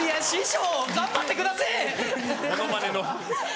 師匠。